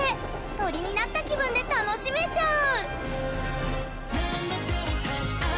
鳥になった気分で楽しめちゃう！